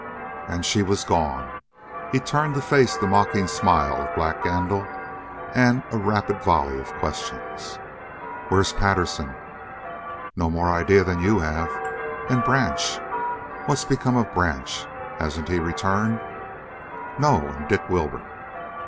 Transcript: And she was gone. He turned to face the mocking smile of Black Gandil and a rapid volley of questions. "Where's Patterson?" "No more idea than you have." "And Branch?" "What's become of Branch? Hasn't he returned?" "No. And Dick Wilbur?"